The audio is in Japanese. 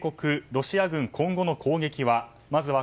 ロシア軍、今後の攻撃は？